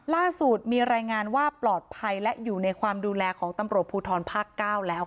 ล่าสุดมีรายงานว่าปลอดภัยและอยู่ในความดูแลของตำรวจภูทรภาค๙แล้ว